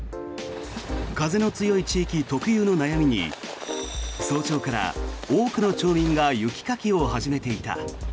風の強い地域特有の悩みに早朝から多くの町民が雪かきを始めていた。